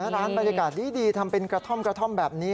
ร้านบรรยากาศดีทำเป็นกระท่อมกระท่อมแบบนี้